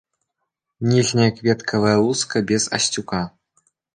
Ніжняя кветкавая луска без асцюка.